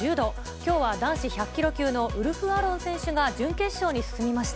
きょうは男子１００キロ級のウルフ・アロン選手が準決勝に進みました。